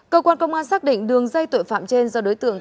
cơ quan công an xác định đường dây tội phạm trên do đối tượng